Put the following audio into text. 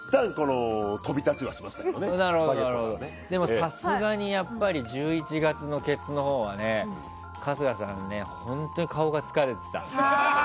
さすがに１１月のケツのほうはね春日さん、本当に顔が疲れてた。